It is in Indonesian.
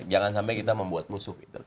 jangan sampai kita membuat musuh gitu